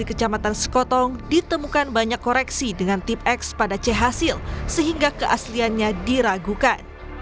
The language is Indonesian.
di kecamatan sekotong ditemukan banyak koreksi dengan tip x pada ch hasil sehingga keasliannya diragukan